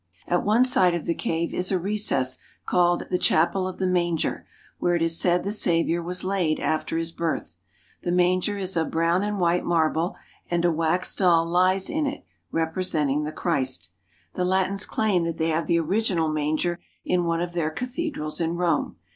At one side of the cave is a recess called the Chapel of the Manger, where it is said the Saviour was laid after His birth. The manger is of brown and white marble, and a wax doll lies in it representing the Christ. The Latins claim that they have the original manger in one of their cathedrals in Rome.